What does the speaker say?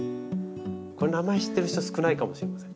これ名前知ってる人少ないかもしれません。